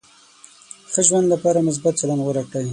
ښه ژوند لپاره مثبت چلند غوره کړئ.